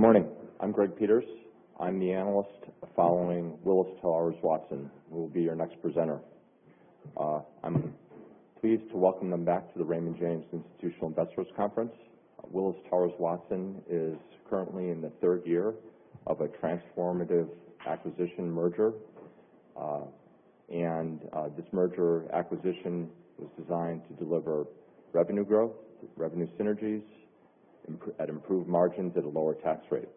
Good morning. I'm Greg Peters. I'm the analyst following Willis Towers Watson, who will be our next presenter. I'm pleased to welcome them back to the Raymond James Institutional Investors Conference. Willis Towers Watson is currently in the third year of a transformative acquisition merger. This merger acquisition was designed to deliver revenue growth, revenue synergies at improved margins, at a lower tax rate.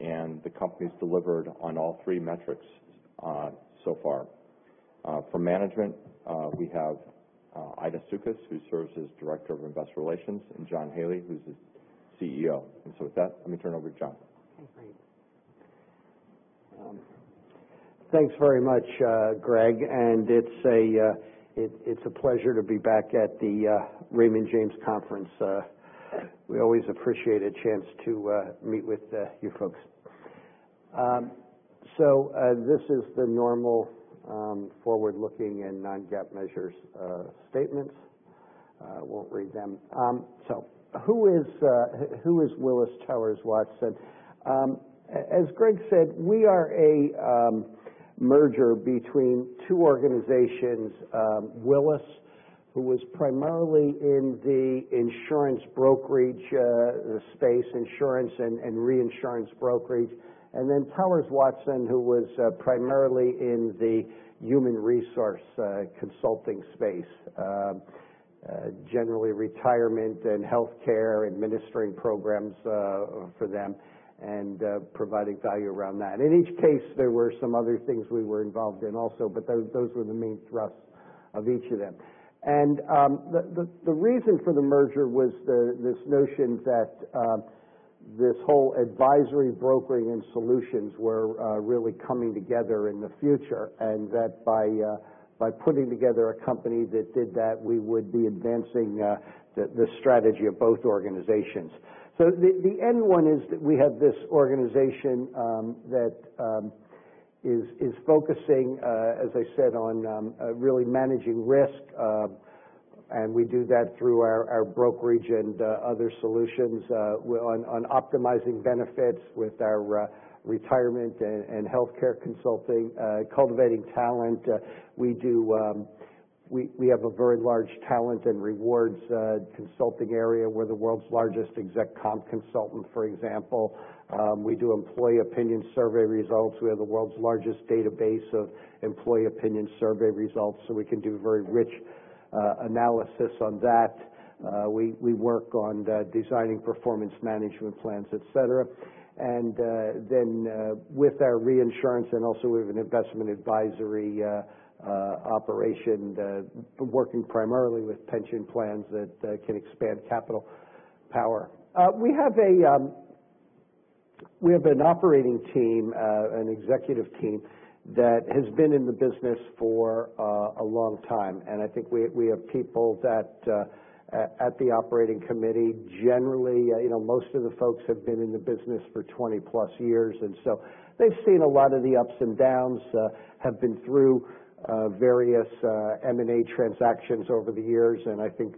The company's delivered on all three metrics so far. From management, we have Aida Sijamic, who serves as Director of Investor Relations, and John Haley, who's the CEO. With that, let me turn over to John. Thanks, Greg. Thanks very much, Greg. It's a pleasure to be back at the Raymond James conference. We always appreciate a chance to meet with you folks. This is the normal forward-looking and non-GAAP measures statements. Won't read them. Who is Willis Towers Watson? As Greg said, we are a merger between two organizations, Willis, who was primarily in the insurance brokerage space, insurance and reinsurance brokerage. Towers Watson, who was primarily in the human resource consulting space. Generally retirement and healthcare, administering programs for them, and providing value around that. In each case, there were some other things we were involved in also, those were the main thrusts of each of them. The reason for the merger was this notion that this whole advisory brokering and solutions were really coming together in the future, and that by putting together a company that did that, we would be advancing the strategy of both organizations. The end one is that we have this organization that is focusing, as I said, on really managing risk. We do that through our brokerage and other solutions on optimizing benefits with our retirement and healthcare consulting, cultivating talent. We have a very large talent and rewards consulting area. We're the world's largest exec comp consultant, for example. We do employee opinion survey results. We have the world's largest database of employee opinion survey results, so we can do very rich analysis on that. We work on designing performance management plans, et cetera. With our reinsurance and also we have an investment advisory operation working primarily with pension plans that can expand capital power. We have an operating team, an executive team, that has been in the business for a long time. I think we have people that at the operating committee, generally, most of the folks have been in the business for 20 plus years. They've seen a lot of the ups and downs, have been through various M&A transactions over the years. I think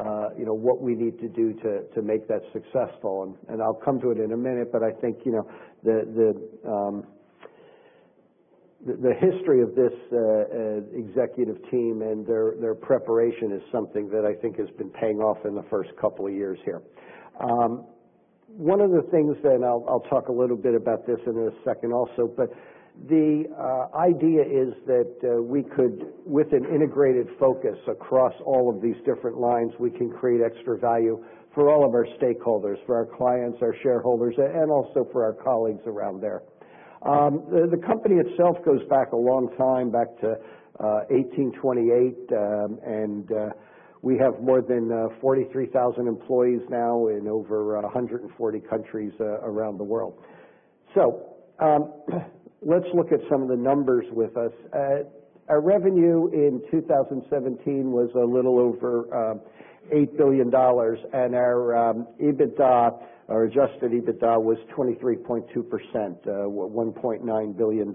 know what we need to do to make that successful. I'll come to it in a minute. I think the history of this executive team and their preparation is something that I think has been paying off in the first couple of years here. One of the things, I'll talk a little bit about this in a second also, the idea is that we could, with an integrated focus across all of these different lines, we can create extra value for all of our stakeholders, for our clients, our shareholders, and also for our colleagues around there. The company itself goes back a long time, back to 1828, and we have more than 43,000 employees now in over 140 countries around the world. Let's look at some of the numbers with us. Our revenue in 2017 was a little over $8 billion, and our EBITDA, our adjusted EBITDA, was 23.2%, $1.9 billion.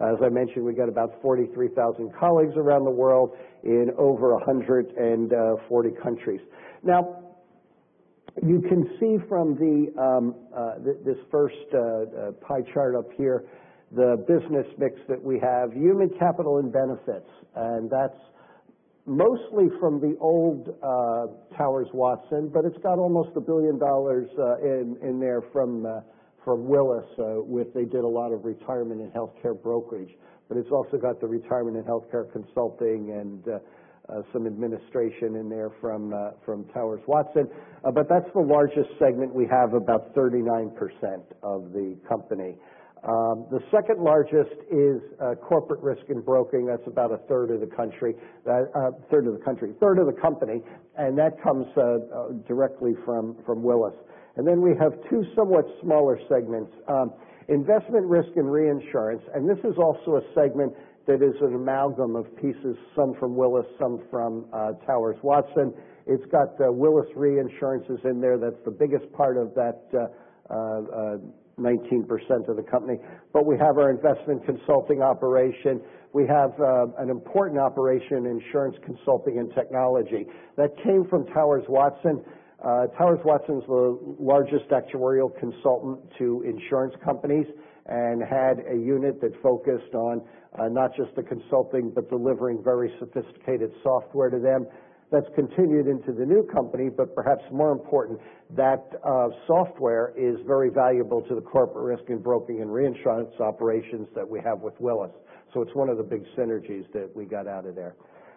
As I mentioned, we've got about 43,000 colleagues around the world in over 140 countries. You can see from this first pie chart up here, the business mix that we have. Human Capital and Benefits, that's mostly from the old Towers Watson, it's got almost $1 billion in there from Willis, they did a lot of retirement and healthcare brokerage. It's also got the retirement and healthcare consulting and some administration in there from Towers Watson. That's the largest segment we have, about 39% of the company. The second largest is Corporate Risk and Broking. That's about a third of the company. That comes directly from Willis. Then we have two somewhat smaller segments. Investment, Risk and Reinsurance, this is also a segment that is an amalgam of pieces, some from Willis, some from Towers Watson. It's got Willis Re in there. That's the biggest part of that 19% of the company. We have our investment consulting operation. We have an important operation in Insurance Consulting and Technology that came from Towers Watson. Towers Watson's the largest actuarial consultant to insurance companies, and had a unit that focused on not just the consulting, but delivering very sophisticated software to them. That's continued into the new company, but perhaps more important, that software is very valuable to the Corporate Risk and Broking and reinsurance operations that we have with Willis. It's one of the big synergies that we got out of there.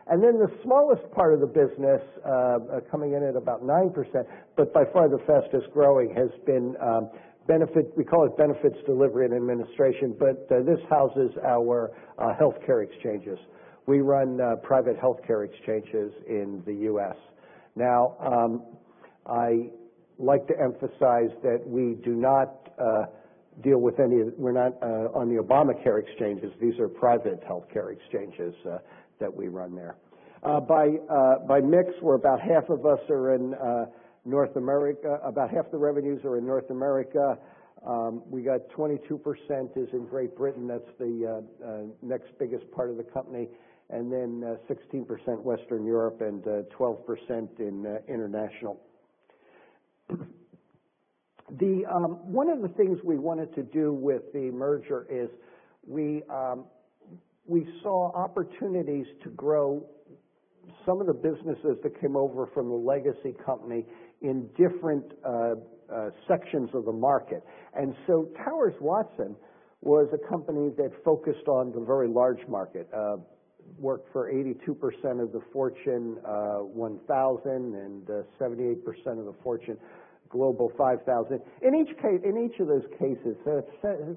Then the smallest part of the business, coming in at about 9%, but by far the fastest-growing, has been Benefits Delivery and Administration, but this houses our healthcare exchanges. We run private healthcare exchanges in the U.S. I like to emphasize that we're not on the Obamacare exchanges. These are private healthcare exchanges that we run there. By mix, about half the revenues are in North America. We got 22% is in Great Britain. That's the next biggest part of the company. Then 16% Western Europe and 12% in international. One of the things we wanted to do with the merger is we saw opportunities to grow some of the businesses that came over from the legacy company in different sections of the market. Towers Watson was a company that focused on the very large market, worked for 82% of the Fortune 1000 and 78% of the Fortune Global 500. In each of those cases, 82%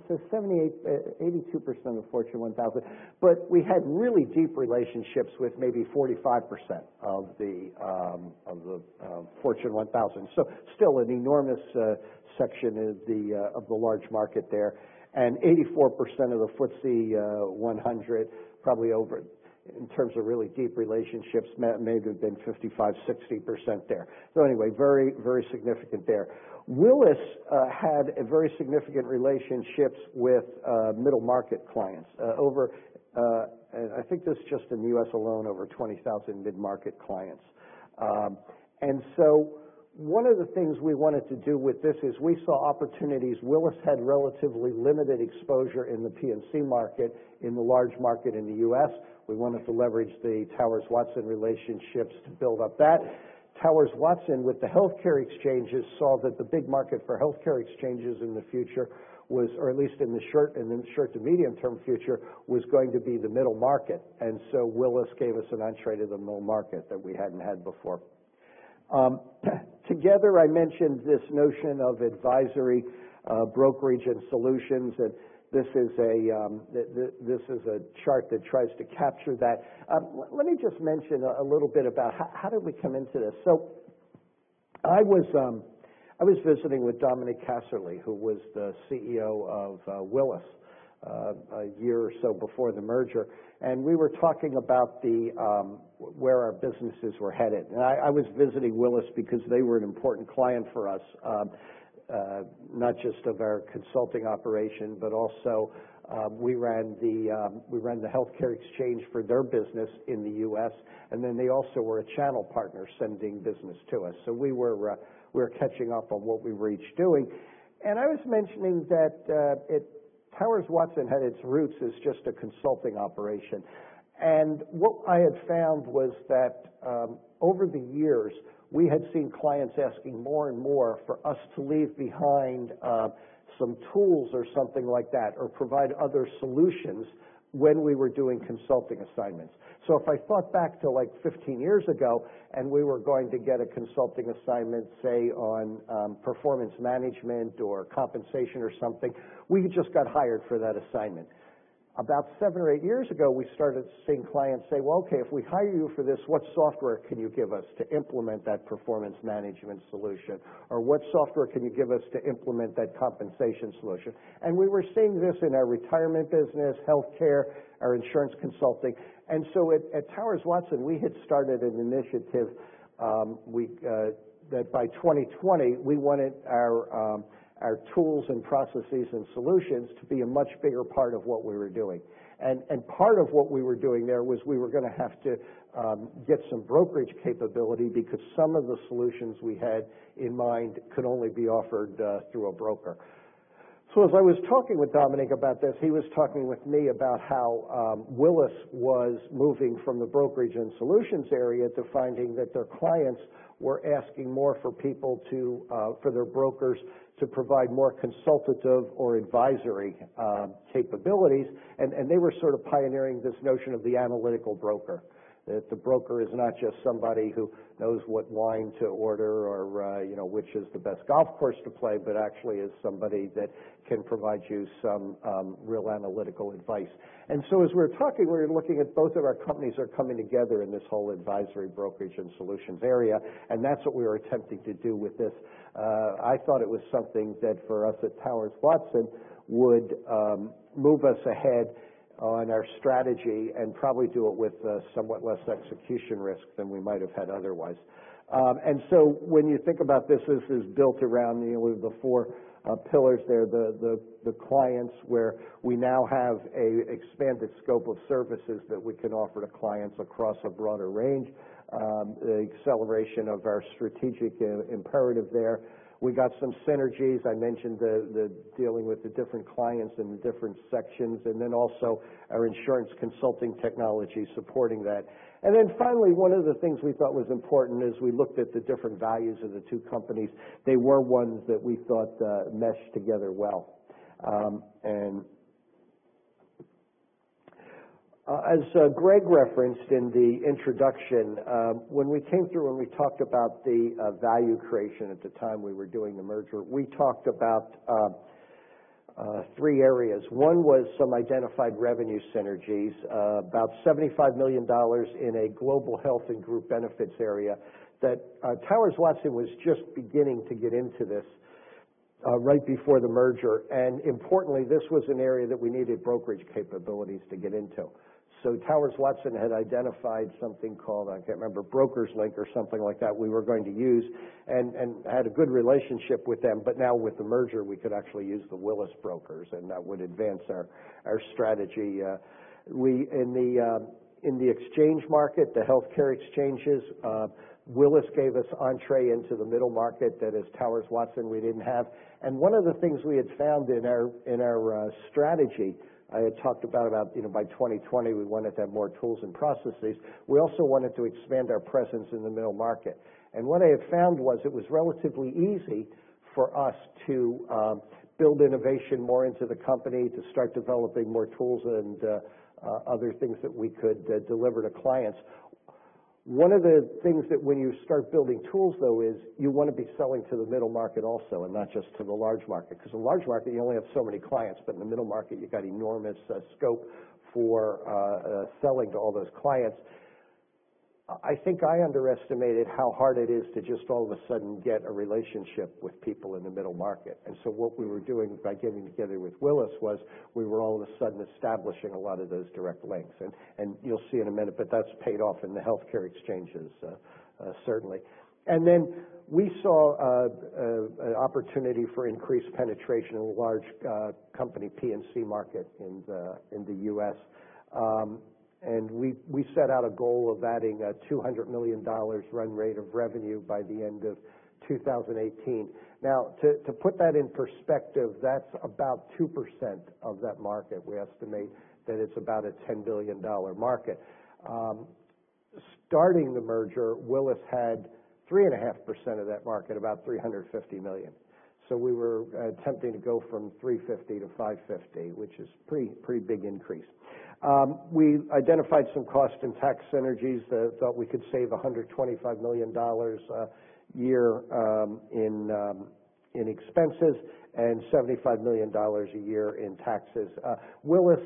of the Fortune 1000, we had really deep relationships with maybe 45% of the Fortune 1000. Still an enormous section of the large market there, and 84% of the FTSE 100, probably over, in terms of really deep relationships, may have been 55%, 60% there. Anyway, very significant there. Willis had very significant relationships with middle market clients. I think just in the U.S. alone, over 20,000 mid-market clients. One of the things we wanted to do with this is we saw opportunities. Willis had relatively limited exposure in the P&C market, in the large market in the U.S. We wanted to leverage the Towers Watson relationships to build up that. Towers Watson, with the healthcare exchanges, saw that the big market for healthcare exchanges in the future was, or at least in the short to medium term future, was going to be the middle market. Willis gave us an entree to the middle market that we hadn't had before. Together, I mentioned this notion of advisory brokerage and solutions, and this is a chart that tries to capture that. Let me just mention a little bit about how did we come into this. I was visiting with Dominic Casserley, who was the CEO of Willis, a year or so before the merger, and we were talking about where our businesses were headed. I was visiting Willis because they were an important client for us, not just of our consulting operation, but also we ran the healthcare exchange for their business in the U.S., and they also were a channel partner sending business to us. We were catching up on what we were each doing. I was mentioning that Towers Watson had its roots as just a consulting operation. What I had found was that over the years, we had seen clients asking more and more for us to leave behind some tools or something like that, or provide other solutions when we were doing consulting assignments. If I thought back to 15 years ago, and we were going to get a consulting assignment, say on performance management or compensation or something, we just got hired for that assignment. About seven or eight years ago, we started seeing clients say, "Well, okay, if we hire you for this, what software can you give us to implement that performance management solution?" "What software can you give us to implement that compensation solution?" We were seeing this in our retirement business, healthcare, our insurance consulting. At Towers Watson, we had started an initiative that by 2020, we wanted our tools and processes and solutions to be a much bigger part of what we were doing. Part of what we were doing there was we were going to have to get some brokerage capability because some of the solutions we had in mind could only be offered through a broker. As I was talking with Dominic about this, he was talking with me about how Willis was moving from the brokerage and solutions area to finding that their clients were asking more for their brokers to provide more consultative or advisory capabilities. They were sort of pioneering this notion of the analytical broker, that the broker is not just somebody who knows what wine to order or which is the best golf course to play, but actually is somebody that can provide you some real analytical advice. As we're talking, we're looking at both of our companies are coming together in this whole advisory, brokerage, and solutions area, and that's what we are attempting to do with this. I thought it was something that, for us at Towers Watson, would move us ahead on our strategy and probably do it with somewhat less execution risk than we might have had otherwise. When you think about this is built around the four pillars there, the clients, where we now have an expanded scope of services that we can offer to clients across a broader range, the acceleration of our strategic imperative there. We got some synergies. I mentioned the dealing with the different clients in the different sections, and then also our Insurance Consulting and Technology supporting that. Finally, one of the things we thought was important as we looked at the different values of the two companies, they were ones that we thought meshed together well. As Greg referenced in the introduction, when we came through and we talked about the value creation at the time we were doing the merger, we talked about three areas. One was some identified revenue synergies, about $75 million in a global health and group benefits area that Towers Watson was just beginning to get into this right before the merger. Importantly, this was an area that we needed brokerage capabilities to get into. Towers Watson had identified something called, I can't remember, Brokerslink or something like that we were going to use, and had a good relationship with them. Now with the merger, we could actually use the Willis brokers, and that would advance our strategy. In the exchange market, the healthcare exchanges, Willis gave us entrée into the middle market that as Towers Watson we didn't have. One of the things we had found in our strategy, I had talked about by 2020, we wanted to have more tools and processes. We also wanted to expand our presence in the middle market. What I had found was it was relatively easy for us to build innovation more into the company, to start developing more tools and other things that we could deliver to clients. One of the things that when you start building tools, though, is you want to be selling to the middle market also, and not just to the large market, because the large market, you only have so many clients, but in the middle market, you've got enormous scope for selling to all those clients. I think I underestimated how hard it is to just all of a sudden get a relationship with people in the middle market. What we were doing by getting together with Willis was we were all of a sudden establishing a lot of those direct links, and you'll see in a minute, but that's paid off in the healthcare exchanges, certainly. We saw an opportunity for increased penetration in the large company P&C market in the U.S. We set out a goal of adding a $200 million run rate of revenue by the end of 2018. To put that in perspective, that's about 2% of that market. We estimate that it's about a $10 billion market. Starting the merger, Willis had 3.5% of that market, about $350 million. We were attempting to go from $350 to $550, which is a pretty big increase. We identified some cost and tax synergies, thought we could save $125 million a year in expenses and $75 million a year in taxes. Willis,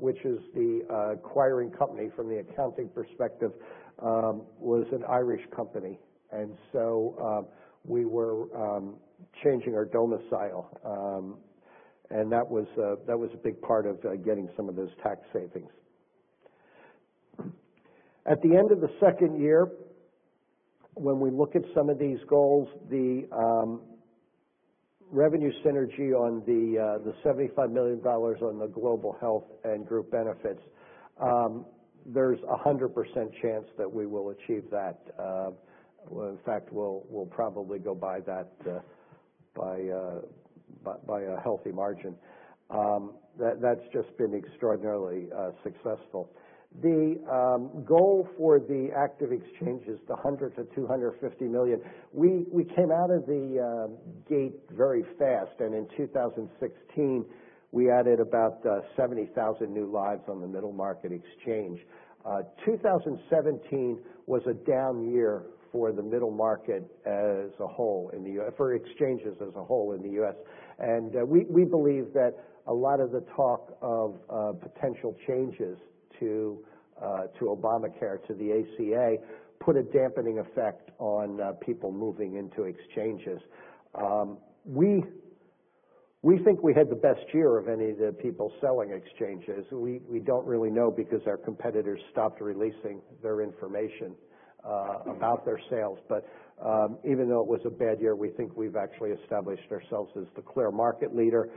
which is the acquiring company from the accounting perspective, was an Irish company. We were changing our domicile. That was a big part of getting some of those tax savings. At the end of the second year, when we look at some of these goals, the revenue synergy on the $75 million on the global health and group benefits, there's 100% chance that we will achieve that. In fact, we'll probably go by that by a healthy margin. That's just been extraordinarily successful. The goal for the active exchanges, the $100 million to $250 million, we came out of the gate very fast, and in 2016, we added about 70,000 new lives on the middle market exchange. 2017 was a down year for the middle market as a whole for exchanges as a whole in the U.S. We believe that a lot of the talk of potential changes to Obamacare, to the ACA, put a dampening effect on people moving into exchanges. We think we had the best year of any of the people selling exchanges. We don't really know because our competitors stopped releasing their information about their sales. Even though it was a bad year, we think we've actually established ourselves as the clear market leader.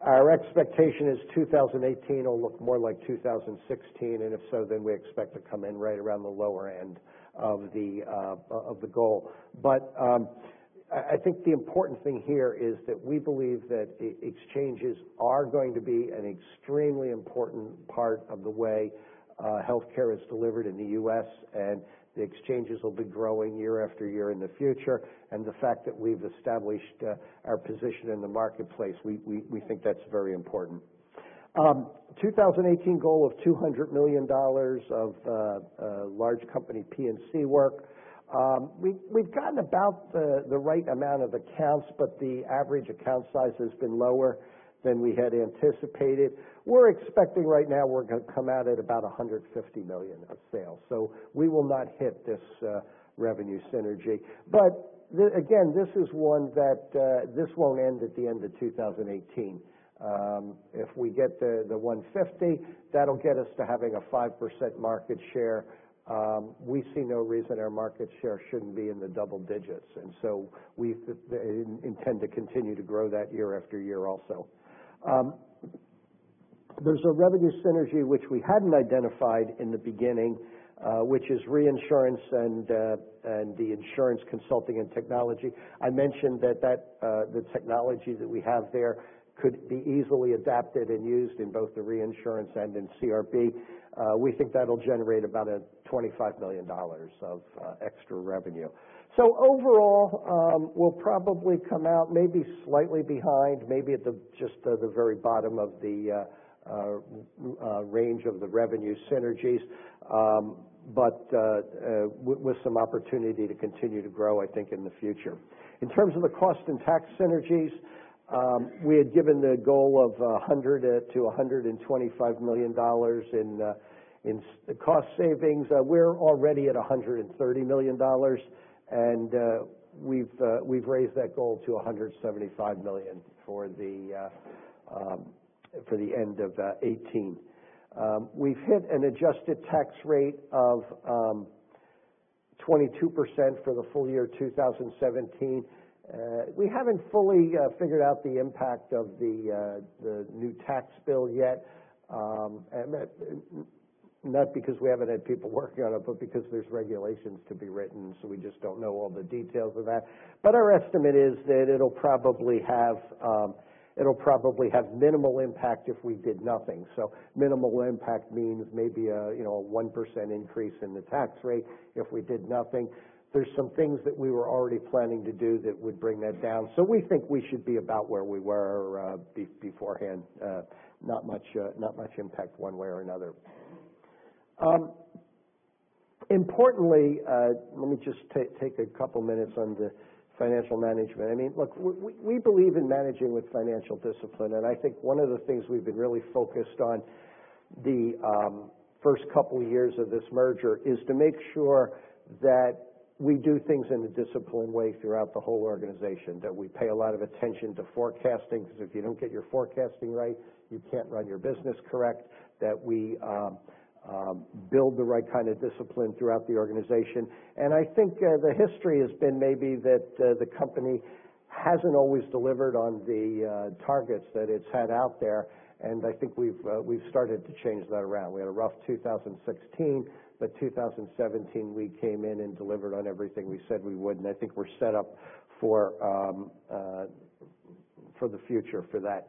Our expectation is 2018 will look more like 2016. If so, we expect to come in right around the lower end of the goal. I think the important thing here is that we believe that exchanges are going to be an extremely important part of the way healthcare is delivered in the U.S. The exchanges will be growing year after year in the future. The fact that we've established our position in the marketplace, we think that's very important. 2018 goal of $200 million of large company P&C work. We've gotten about the right amount of accounts, but the average account size has been lower than we had anticipated. We're expecting right now we're going to come out at about $150 million of sales. We will not hit this revenue synergy. This won't end at the end of 2018. If we get the $150, that'll get us to having a 5% market share. We see no reason our market share shouldn't be in the double digits. We intend to continue to grow that year after year also. There's a revenue synergy which we hadn't identified in the beginning, which is reinsurance and the Insurance Consulting and Technology. I mentioned that the technology that we have there could be easily adapted and used in both the reinsurance and in CRB. We think that'll generate about $25 million of extra revenue. Overall, we'll probably come out maybe slightly behind, maybe at just the very bottom of the range of the revenue synergies. With some opportunity to continue to grow, I think, in the future. In terms of the cost and tax synergies, we had given the goal of $100 million-$125 million in cost savings. We're already at $130 million, and we've raised that goal to $175 million for the end of 2018. We've hit an adjusted tax rate of 22% for the full year 2017. We haven't fully figured out the impact of the new tax bill yet. Not because we haven't had people working on it, but because there's regulations to be written, so we just don't know all the details of that. Our estimate is that it'll probably have minimal impact if we did nothing. Minimal impact means maybe a 1% increase in the tax rate if we did nothing. There's some things that we were already planning to do that would bring that down. We think we should be about where we were beforehand. Not much impact one way or another. Importantly, let me just take a couple minutes on the financial management. Look, we believe in managing with financial discipline, and I think one of the things we've been really focused on the first couple years of this merger is to make sure that we do things in a disciplined way throughout the whole organization, that we pay a lot of attention to forecasting, because if you don't get your forecasting right, you can't run your business correct, that we build the right kind of discipline throughout the organization. I think the history has been maybe that the company hasn't always delivered on the targets that it's had out there, and I think we've started to change that around. We had a rough 2016. 2017, we came in and delivered on everything we said we would, and I think we're set up for the future for that.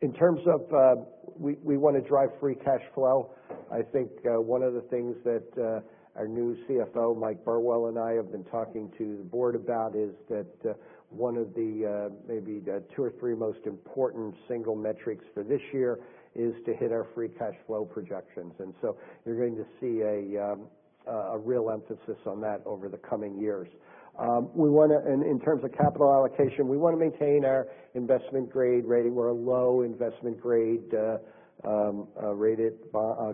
In terms of we want to drive free cash flow, I think one of the things that our new CFO, Mike Burwell, and I have been talking to the board about is that one of the maybe two or three most important single metrics for this year is to hit our free cash flow projections. You're going to see a real emphasis on that over the coming years. In terms of capital allocation, we want to maintain our investment grade rating. We're a low investment grade rated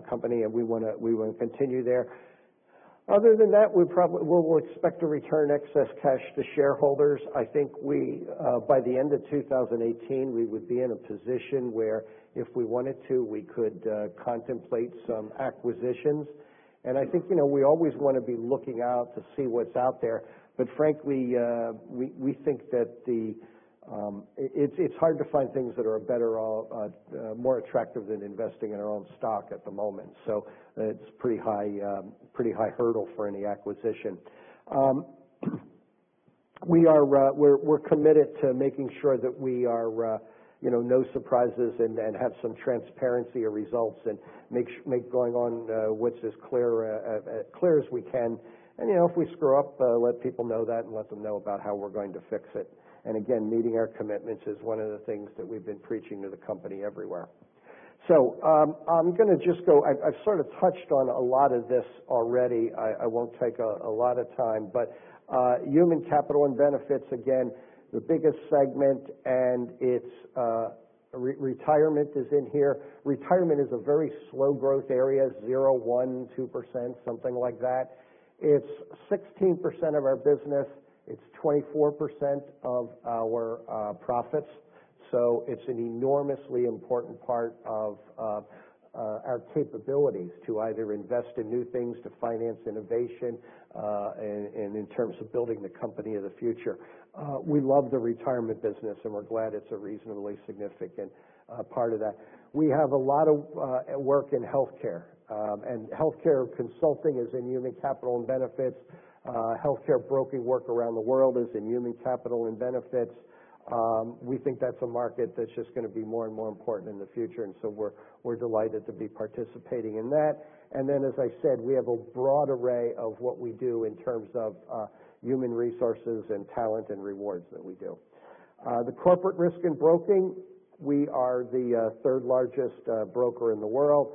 company, and we want to continue there. Other than that, we'll expect to return excess cash to shareholders. I think by the end of 2018, we would be in a position where if we wanted to, we could contemplate some acquisitions. I think we always want to be looking out to see what's out there. Frankly, we think that it's hard to find things that are more attractive than investing in our own stock at the moment. It's pretty high hurdle for any acquisition. We're committed to making sure that we are no surprises and have some transparency of results, and make goings-on at WTW as clear as we can. If we screw up, let people know that and let them know about how we're going to fix it. Again, meeting our commitments is one of the things that we've been preaching to the company everywhere. I've sort of touched on a lot of this already. I won't take a lot of time. Human Capital and Benefits, again, the biggest segment, and retirement is in here. Retirement is a very slow growth area, zero, one, 2%, something like that. It's 16% of our business. It's 24% of our profits. It's an enormously important part of our capabilities to either invest in new things, to finance innovation, and in terms of building the company of the future. We love the retirement business, and we're glad it's a reasonably significant part of that. We have a lot of work in healthcare, and healthcare consulting is in Human Capital and Benefits. Healthcare broking work around the world is in Human Capital and Benefits. We think that's a market that's just going to be more and more important in the future. We're delighted to be participating in that. As I said, we have a broad array of what we do in terms of human resources and talent and rewards that we do. The Corporate Risk and Broking, we are the third-largest broker in the world.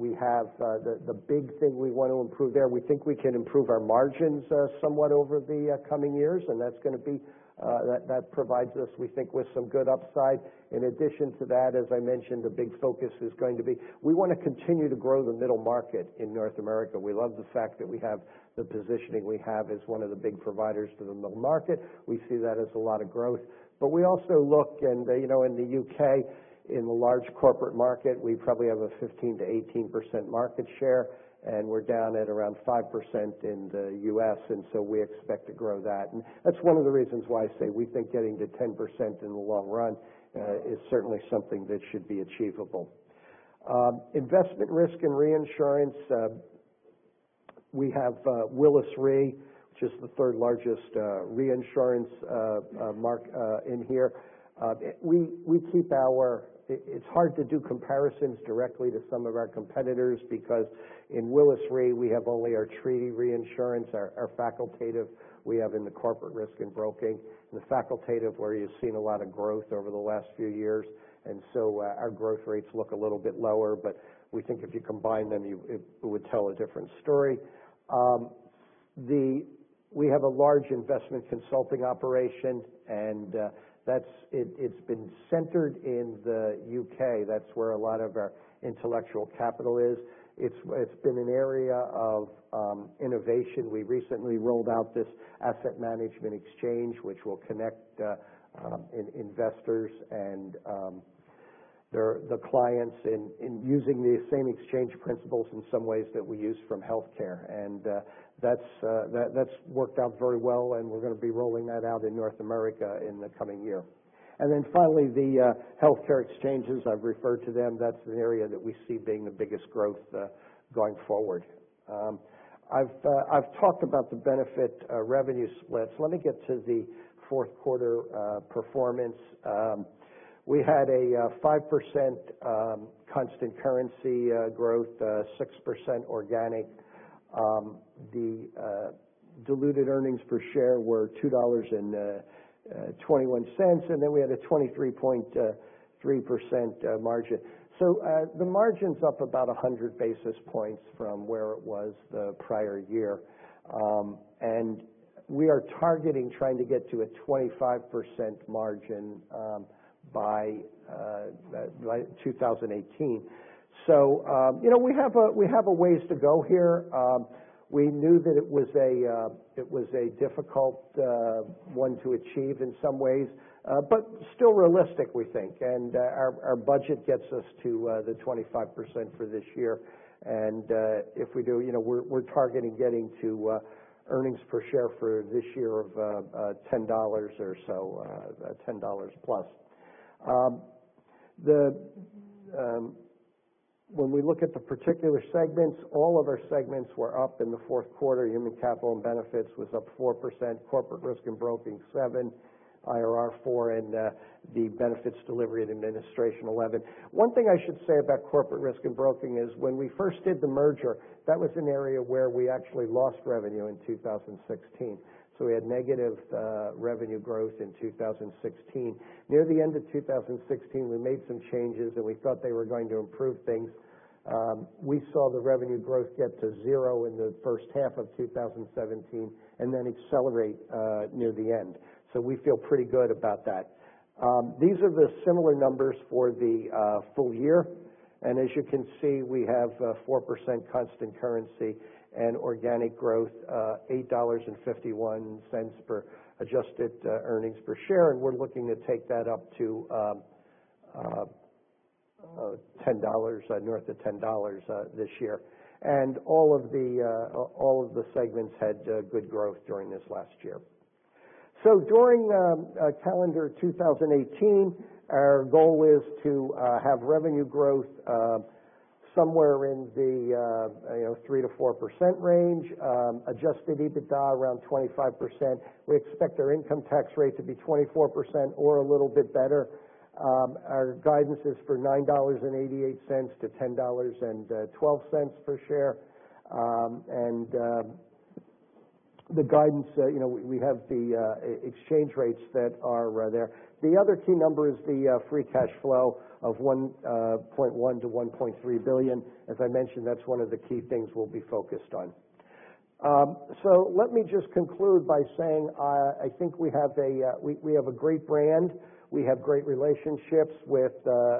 The big thing we want to improve there, we think we can improve our margins somewhat over the coming years. That provides us, we think, with some good upside. In addition to that, as I mentioned, the big focus is going to be we want to continue to grow the middle market in North America. We love the fact that we have the positioning we have as one of the big providers to the middle market. We see that as a lot of growth. We also look in the U.K., in the large corporate market, we probably have a 15%-18% market share, and we're down at around 5% in the U.S. We expect to grow that. That's one of the reasons why I say we think getting to 10% in the long run is certainly something that should be achievable. Investment, Risk and Reinsurance, we have Willis Re, which is the third-largest reinsurance market in here. It's hard to do comparisons directly to some of our competitors because in Willis Re, we have only our treaty reinsurance. Our facultative we have in the Corporate Risk and Broking. The facultative, where you've seen a lot of growth over the last few years. Our growth rates look a little bit lower. We think if you combine them, it would tell a different story. We have a large investment consulting operation. It's been centered in the U.K. That's where a lot of our intellectual capital is. It's been an area of innovation. We recently rolled out The Asset Management Exchange, which will connect investors and the clients in using the same exchange principles in some ways that we use from healthcare. That's worked out very well. We're going to be rolling that out in North America in the coming year. Finally, the healthcare exchanges, I've referred to them, that's an area that we see being the biggest growth going forward. I've talked about the benefit revenue splits. Let me get to the fourth quarter performance. We had a 5% constant currency growth, 6% organic. The diluted earnings per share were $2.21. We had a 23.3% margin. The margin's up about 100 basis points from where it was the prior year. We are targeting trying to get to a 25% margin by 2018. We have a ways to go here. We knew that it was a difficult one to achieve in some ways, but still realistic, we think, and our budget gets us to the 25% for this year. If we do, we're targeting getting to earnings per share for this year of $10 or so, $10 plus. When we look at the particular segments, all of our segments were up in the fourth quarter. Human Capital and Benefits was up 4%, Corporate Risk and Broking 7%, IRR 4%, and the Benefits Delivery and Administration 11%. One thing I should say about Corporate Risk and Broking is when we first did the merger, that was an area where we actually lost revenue in 2016. We had negative revenue growth in 2016. Near the end of 2016, we made some changes, and we thought they were going to improve things. We saw the revenue growth get to zero in the first half of 2017 and then accelerate near the end. We feel pretty good about that. These are the similar numbers for the full year, and as you can see, we have 4% constant currency and organic growth, $8.51 per adjusted earnings per share, and we're looking to take that up to north of $10 this year. All of the segments had good growth during this last year. During calendar 2018, our goal is to have revenue growth somewhere in the 3 to 4% range, adjusted EBITDA around 25%. We expect our income tax rate to be 24% or a little bit better. Our guidance is for $9.88 to $10.12 per share. The guidance, we have the exchange rates that are there. The other key number is the free cash flow of $1.1 billion-$1.3 billion. As I mentioned, that's one of the key things we'll be focused on. Let me just conclude by saying I think we have a great brand. We have great relationships with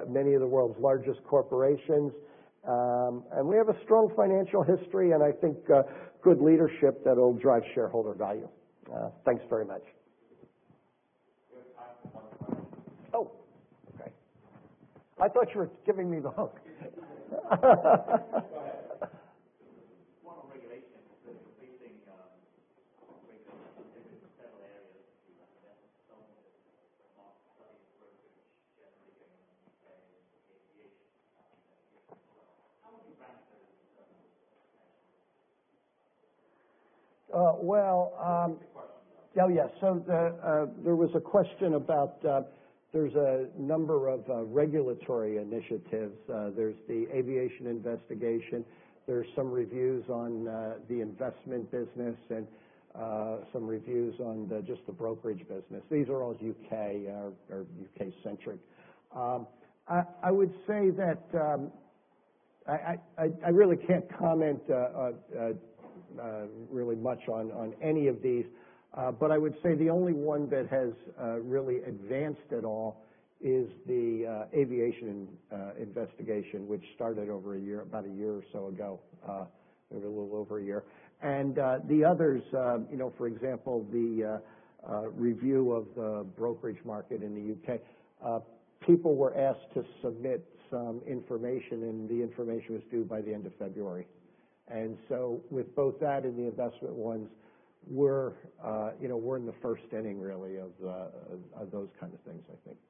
many of the world's largest corporations, and we have a strong financial history, and I think good leadership that'll drive shareholder value. Thanks very much. We have time for one question. Oh, okay. I thought you were giving me the hook. Go ahead. One on regulation. There's increasing regulation in several areas, the investment business, the markets, studies, brokerage generally again in the U.K. and aviation studies as well. How would you rank those in terms of potential? Can you repeat the question? Oh, yes. There was a question about there's a number of regulatory initiatives. There's the aviation investigation. There's some reviews on the investment business and some reviews on just the brokerage business. These are all U.K.-centric. I would say that I really can't comment really much on any of these, but I would say the only one that has really advanced at all is the aviation investigation, which started about a year or so ago, maybe a little over a year. The others, for example, the review of the brokerage market in the U.K., people were asked to submit some information, and the information was due by the end of February. With both that and the investment ones, we're in the first inning really of those kind of things, I think. All right. Thank you.